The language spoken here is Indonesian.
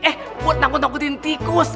eh buat nakut nakutin tikus